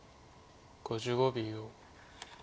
５５秒。